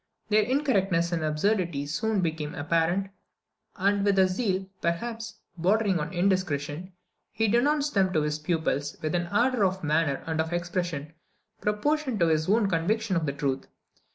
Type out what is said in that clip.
Their incorrectness and absurdity soon became apparent; and with a zeal, perhaps, bordering on indiscretion, he denounced them to his pupils with an ardour of manner and of expression proportioned to his own conviction of the truth.